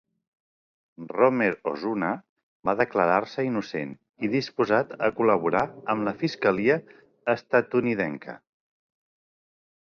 Romer Osuna va declarar-se innocent i disposat a col·laborar amb la fiscalia estatunidenca.